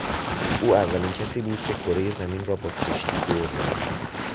او اولین کسی بود که کرهی زمین را با کشتی دور زد.